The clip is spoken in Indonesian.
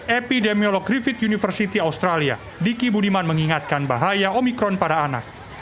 epidemiolog griffith university australia diki budiman mengingatkan bahaya omikron pada anak